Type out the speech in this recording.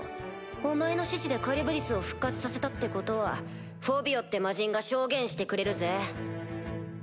お前の指示でカリュブディスを復活させたってことはフォビオって魔人が証言してくれるぜ？